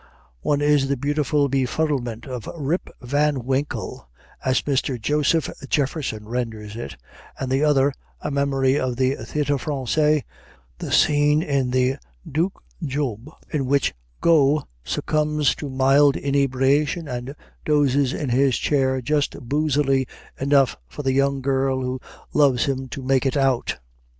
One is the beautiful befuddlement of Rip Van Winkle, as Mr. Joseph Jefferson renders it, and the other (a memory of the Théâtre Français) the scene in the "Duc Job," in which Got succumbs to mild inebriation, and dozes in his chair just boosily enough for the young girl who loves him to make it out.